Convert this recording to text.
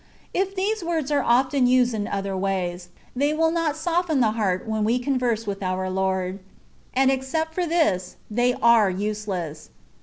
If these words are often used in other ways, they will not soften the heart when we converse with our Lord ; and except for this, they are useless.